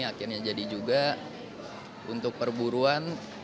akhirnya jadi juga untuk perburuan